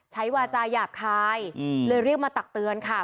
วาจาหยาบคายเลยเรียกมาตักเตือนค่ะ